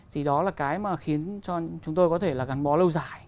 thì đó là cái mà khiến cho chúng tôi có thể là gắn bó lâu dài